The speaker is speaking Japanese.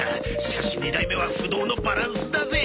しかし二代目は不動のバランスだぜ！